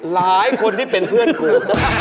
หลายคนที่เป็นเพื่อนกู